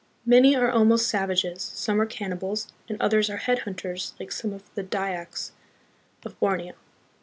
Many are almost savages, some are cannibals, and others are headhunters like some of the Dyaks of Borneo.